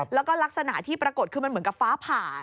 แล้วก็ลักษณะที่ปรากฏคือมันเหมือนกับฟ้าผ่าน